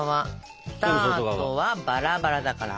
スタートはバラバラだから。